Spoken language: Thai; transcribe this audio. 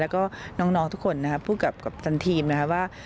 แล้วก็น้องทุกคนนะครับพูดกับกัปตันทีมนะครับว่า